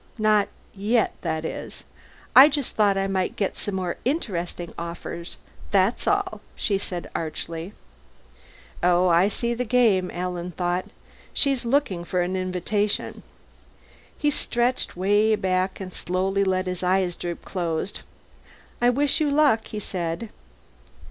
Not yet, that is. I just thought I might get some more interesting offers, that's all," she said archly. Oh, I see the game, Alan thought. She's looking for an invitation. He stretched way back and slowly let his eyes droop closed. "I wish you luck," he said.